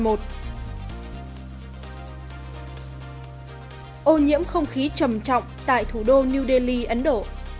ô nhiễm không khí trầm trọng tại thủ đô new delhi ấn độ